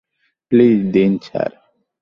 Please দিন, sir.